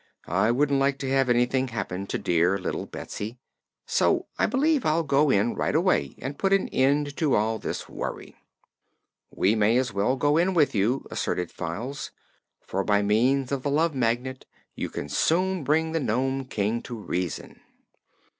"I wouldn't like to have anything happen to dear little Betsy, so I believe I'll go in right away and put an end to all this worry." "We may as well go with you," asserted Files, "for by means of the Love Magnet, you can soon bring the Nome King to reason."